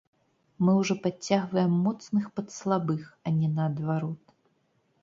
Мы ўжо падцягваем моцных пад слабых, а не наадварот.